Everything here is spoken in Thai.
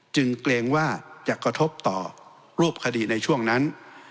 เกรงว่าจะกระทบต่อรูปคดีในช่วงนั้น